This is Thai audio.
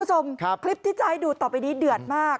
คุณผู้ชมคลิปที่จะให้ดูต่อไปนี้เดือดมาก